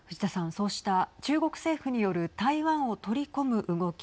そうした中国政府による台湾を取り込む動き